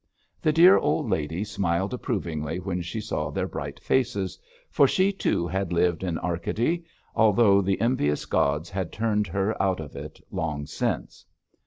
The dear old lady smiled approvingly when she saw their bright faces, for she too had lived in Arcady, although the envious gods had turned her out of it long since.